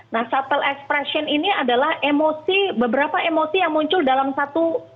nah shuttle expression ini adalah emosi beberapa emosi yang muncul dalam satu